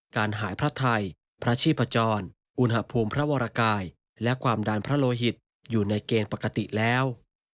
การหายพระไทยพระชีพจรอุณหภูมิพระวรกายและความดันพระโลหิตอยู่ในเกณฑ์ปกติแล้ว